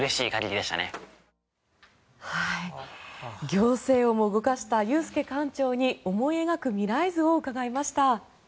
行政をも動かした裕介館長に思い描く未来図を伺いました。